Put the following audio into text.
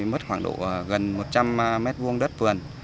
mất khoảng độ gần một trăm linh m hai đất tuần